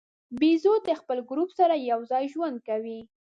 بیزو د خپل ګروپ سره یو ځای ژوند کوي.